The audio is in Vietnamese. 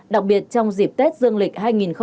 đặc biệt trong dịp tết dương lịch hai nghìn hai mươi